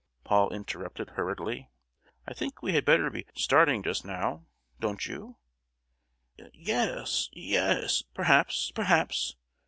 Paul interrupted hurriedly. "I think we had better be starting just now, don't you?" "Yes—yes, perhaps, perhaps.